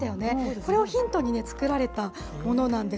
これをヒントに作られたものなんです。